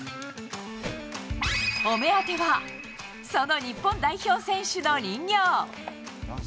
お目当ては、その日本代表選手の人形。